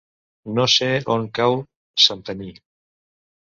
No sé on cau Santanyí.